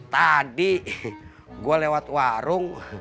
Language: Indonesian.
tadi gue lewat warung